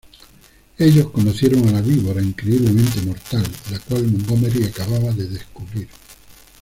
Ellos conocieron a la víbora increíblemente mortal, la cual Montgomery acababa de descubrir.